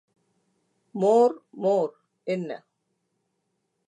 மோர் மோர் என்ன?